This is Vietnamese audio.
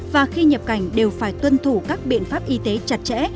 và khi nhập cảnh đều phải tuân thủ các biện pháp y tế chặt chẽ